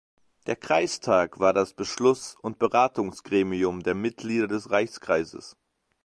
Der Kreistag war das Beschluss- und Beratungsgremium der Mitglieder des Reichskreises.